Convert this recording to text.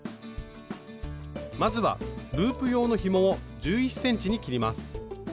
まずはループ用のひもを１１ｃｍに切ります。